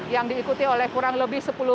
yang diikuti oleh kurang lebih dari seratus guru